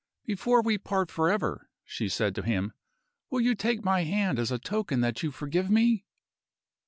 "Before we part forever," she said to him, "will you take my hand as a token that you forgive me?"